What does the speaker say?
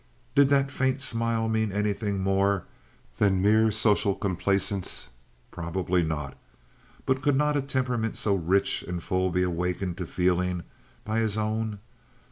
Did that faint smile mean anything more than mere social complaisance? Probably not, but could not a temperament so rich and full be awakened to feeling by his own?